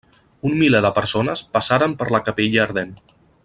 Un miler de persones passaren per la capella ardent.